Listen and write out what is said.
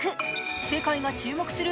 世界が注目する